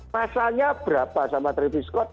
masanya berapa sama travis scott